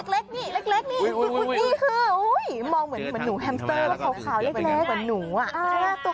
เล็กนี่นี่คือมองเหมือนหนูแฮมสเตอร์เหมือนขาวเล็ก